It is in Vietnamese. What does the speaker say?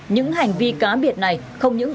những hành vi cá biệt này không những